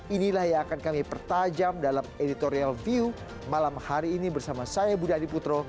inilah yang akan kami pertajam dalam editorial view malam hari ini bersama saya budi adiputro